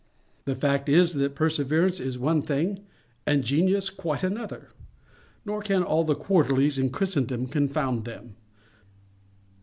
The fact is, that perseverance is one thing and genius quite another—nor can all the Quarterlies in Christendom confound them.